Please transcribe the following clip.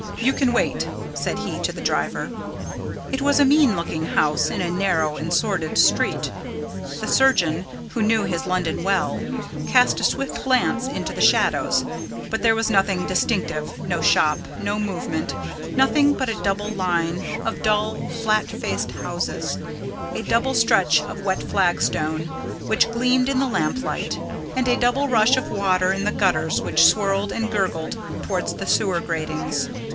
"You can wait," said he to the driver. It was a mean looking house in a narrow and sordid street. The surgeon, who knew his London well, cast a swift glance into the shadows, but there was nothing distinctive no shop, no movement, nothing but a double line of dull, flat faced houses, a double stretch of wet flagstones which gleamed in the lamplight, and a double rush of water in the gutters which swirled and gurgled towards the sewer gratings.